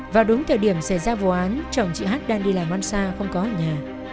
vào đúng thời điểm xảy ra vụ án chồng chị h đang đi làm ăn xa không có ở nhà